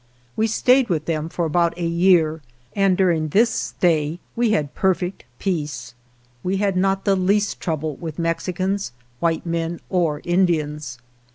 We stayed with them for about a year, and during this stay we had perfect peace. We had not the least trouble with Mexicans, white men, or Indians.